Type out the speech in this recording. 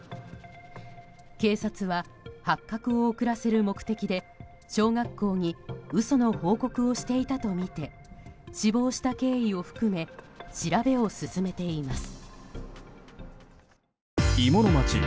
警察は発覚を遅らせる目的で小学校に嘘の報告をしていたとみて死亡した経緯を含め調べを進めています。